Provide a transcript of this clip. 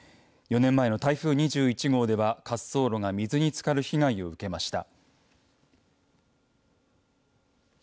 ４年前の台風２１号では滑走路が水につかる被害を受けました。